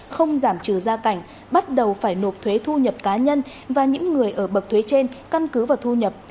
không giảm trừ gia cảnh bắt đầu phải nộp thuế thu nhập cá nhân và những người ở bậc thuế trên căn cứ vào thu nhập